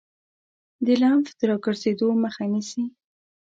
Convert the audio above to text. د لمف د راګرځیدو مخه نیسي.